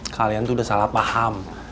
kalian tuh udah salah paham